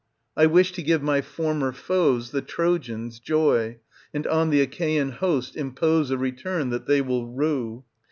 I wish to give my former foes, the Trojans, joy, and on the Achaean host impose a return that they will rue.